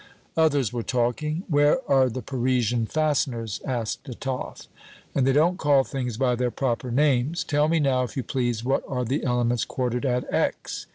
Others were talking: 'Where are the Parisian fasteners?' asked a toff. And they don't call things by their proper names: 'Tell me now, if you please, what are the elements quartered at X